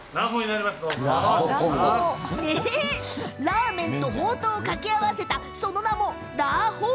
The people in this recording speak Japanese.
ラーメンとほうとうを掛け合わせたその名も「ラーほー」。